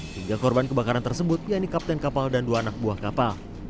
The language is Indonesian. tiga korban kebakaran tersebut yaitu kapten kapal dan dua anak buah kapal